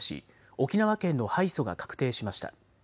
沖縄県の敗訴が確定しました。